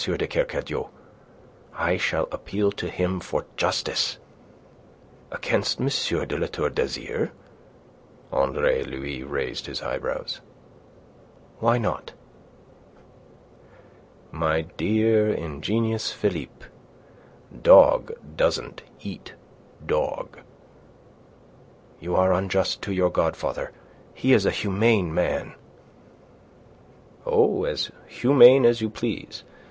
de Kercadiou. I shall appeal to him for justice." "Against M. de La Tour d'Azyr?" Andre Louis raised his eyebrows. "Why not?" "My dear ingenuous Philippe, dog doesn't eat dog." "You are unjust to your godfather. He is a humane man." "Oh, as humane as you please.